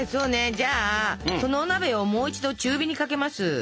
じゃあそのお鍋をもう一度中火にかけます。